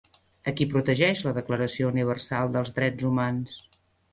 A qui protegeix la Declaració Universal dels Drets Humans?